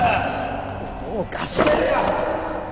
どうかしてるよ！